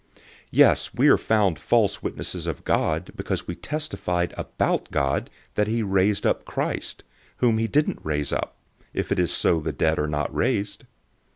015:015 Yes, we are found false witnesses of God, because we testified about God that he raised up Christ, whom he didn't raise up, if it is so that the dead are not raised.